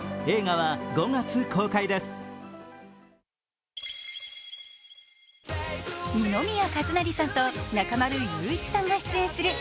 映画は５月公開です。